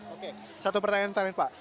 oke satu pertanyaan terakhir pak